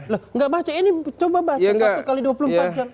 loh nggak baca ini coba baca satu x dua puluh empat jam